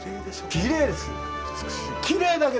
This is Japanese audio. きれいです。